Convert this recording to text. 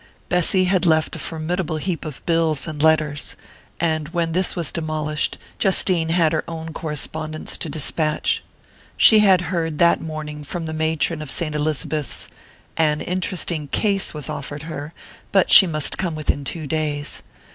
Bessy had left a formidable heap of bills and letters; and when this was demolished, Justine had her own correspondence to despatch. She had heard that morning from the matron of Saint Elizabeth's: an interesting "case" was offered her, but she must come within two days.